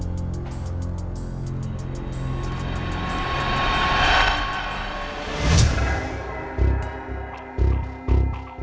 kenapa aku jadi penakut kayak gini ya